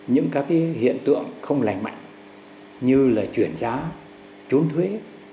những các hiện tượng không lành mạnh như là chuyển giá trốn thuế